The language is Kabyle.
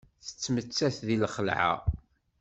Tettmettat deg lxelɛa.